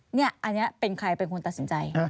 อันนี้เป็นใครเป็นคนตัดสินใจ